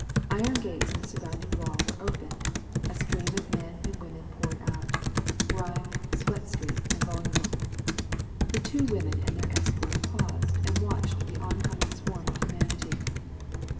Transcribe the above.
Iron gates in the surrounding wall were opened, a stream of men and women poured out, grimed, sweat streaked and voluble. The two women and their escort paused and watched the oncoming swarm of humanity.